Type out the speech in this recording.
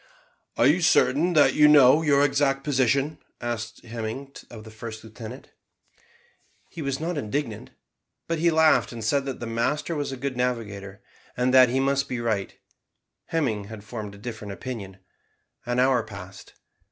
"Are you certain that you know your exact position?" asked Hemming of the first lieutenant. He was not indignant, but he laughed and said that the master was a good navigator, and that he must be right; Hemming had formed a different opinion. An hour passed.